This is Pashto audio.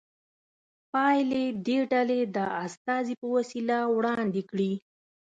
پایلې دې ډلې د استازي په وسیله وړاندې کړي.